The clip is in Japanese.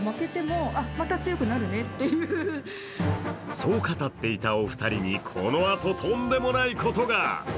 そう語っていたお二人にこのあととんでもないことが。